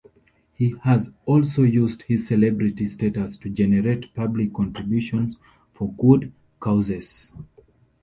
He has also used his celebrity status to generate public contributions for good causes.